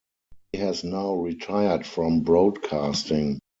He has now retired from broadcasting.